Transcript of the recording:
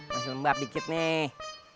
masih lembab dikit nih